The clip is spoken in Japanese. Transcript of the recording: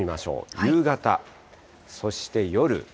夕方、そして夜。